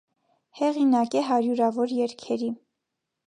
Հեղինակ է հարյուրավոր երգերի։